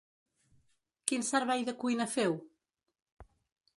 Quin servei de cuina feu?